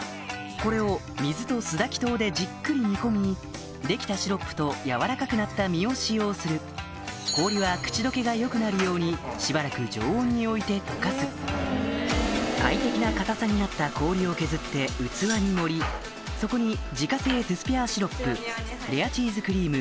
これを水と素焚糖でじっくり煮込み出来たシロップと軟らかくなった実を使用する氷は口溶けが良くなるようにしばらく常温に置いて溶かす最適な硬さになった氷を削って器に盛りそこに自家製トゥスピャーシロップレアチーズクリーム